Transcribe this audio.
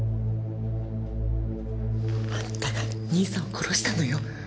あんたが兄さんを殺したのよ。